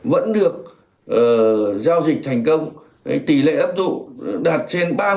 vẫn được giao dịch thành công tỷ lệ ấp dụng đạt trên ba mươi